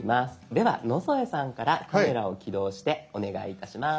では野添さんから「カメラ」を起動してお願いいたします。